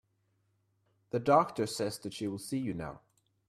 The doctor says that she will see you now.